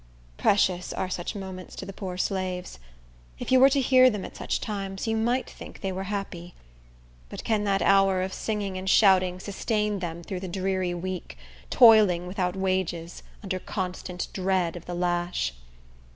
Precious are such moments to the poor slaves. If you were to hear them at such times, you might think they were happy. But can that hour of singing and shouting sustain them through the dreary week, toiling without wages, under constant dread of the lash?